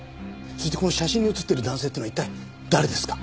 そしてこの写真に写ってる男性っていうのは一体誰ですか？